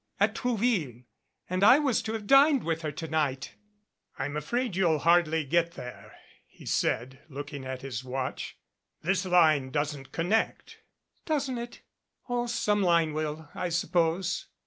"At Trouville. And I was to have dined with her to night." "I'm afraid you'll hardly get there," he said, looking at his watch. "This line doesn't connect." "Doesn't it? Oh, some line will, I suppose."